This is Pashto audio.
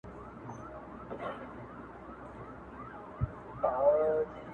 نه به شونډي په لمدې کړم نه مي څاڅکي ته زړه کیږي!